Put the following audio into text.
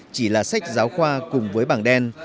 chỉ là sách giáo khoa cùng với bảng đen